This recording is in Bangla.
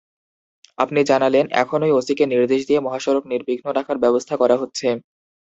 আপনি জানালেন, এখনই ওসিকে নির্দেশ দিয়ে মহাসড়ক নির্বিঘ্ন রাখার ব্যবস্থা করা হচ্ছে।